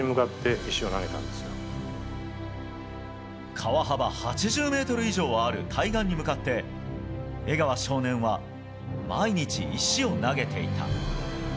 川幅８０ｍ以上ある対岸に向かって江川少年は毎日、石を投げていた。